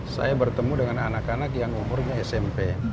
saya bertemu dengan anak anak yang umurnya smp